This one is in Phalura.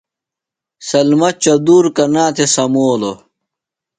سلمی چدۡور کنا تھےۡ سمولو؟